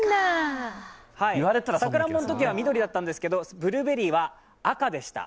さくらんぼのときは緑だったんですけどブルーベリーは赤でした。